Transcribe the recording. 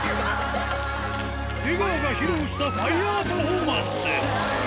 出川が披露したファイヤーパフォーマンス。